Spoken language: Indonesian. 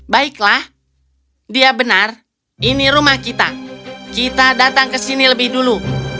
baiklah dia benar ini rumah kita kita datang ke sini lebih dulu